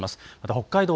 北海道